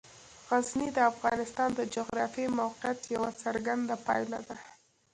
غزني د افغانستان د جغرافیایي موقیعت یوه څرګنده پایله ده.